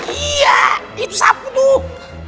iya itu sapu tuh